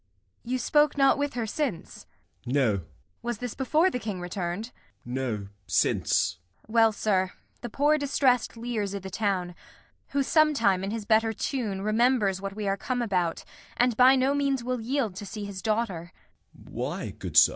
You spoke not with her since? Gent. No. Kent. Was this before the King return'd? Gent. No, since. Kent. Well, sir, the poor distressed Lear's i' th' town; Who sometime, in his better tune, remembers What we are come about, and by no means Will yield to see his daughter. Gent. Why, good sir?